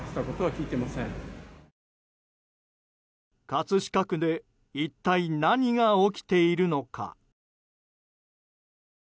葛飾区で一体何が起きているのか。